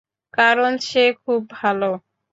কারন সে খুব ভালো।